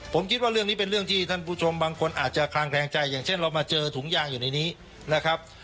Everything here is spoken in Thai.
ผมคิดว่าเรื่องนี้เป็นเรื่องที่ท่านผู้ชมบางคนอาจจะคลางแคลงใจอย่างเช่นเรามาเจอถุงยางอยู่ในนี้นะครับ